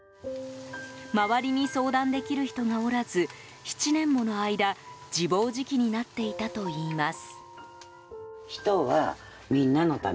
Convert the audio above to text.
周りに相談できる人がおらず７年もの間自暴自棄になっていたといいます。